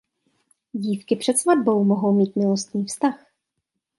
Dívky před svatbou mohou mít milostný vztah.